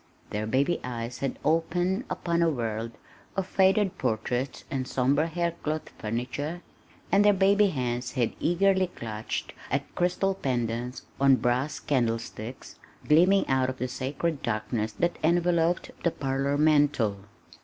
Their baby eyes had opened upon a world of faded portraits and somber haircloth furniture, and their baby hands had eagerly clutched at crystal pendants on brass candlesticks gleaming out of the sacred darkness that enveloped the parlor mantel.